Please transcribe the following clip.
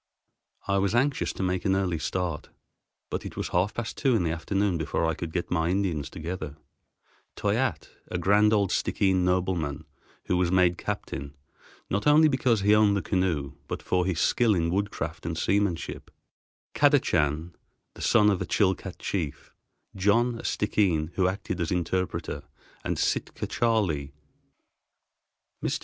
I was anxious to make an early start, but it was half past two in the afternoon before I could get my Indians together—Toyatte, a grand old Stickeen nobleman, who was made captain, not only because he owned the canoe, but for his skill in woodcraft and seamanship; Kadachan, the son of a Chilcat chief; John, a Stickeen, who acted as interpreter; and Sitka Charley. Mr.